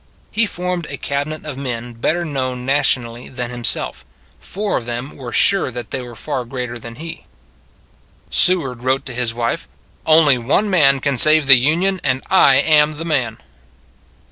He formed a Cabinet of men better known nationally than himself: four of them were sure that they were far greater than he. Seward wrote to his wife: " Only one man can save the Union, and I am the man."